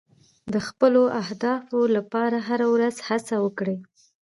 د خپلو اهدافو لپاره هره ورځ هڅه وکړه.